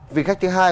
vì khách thứ hai